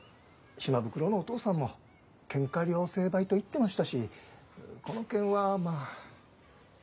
島袋のお父さんもケンカ両成敗と言ってましたしこの件はまあ。